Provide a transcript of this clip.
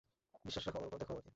বিশ্বাস রাখো আমার উপর, দেখো আমাকে।